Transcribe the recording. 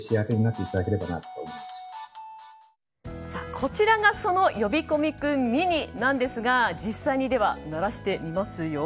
こちらがその呼び込み君ミニですが実際に鳴らしてみますよ。